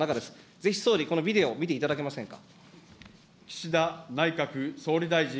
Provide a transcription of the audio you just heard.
ぜひ、総理、このビデオを見ていただけませんか。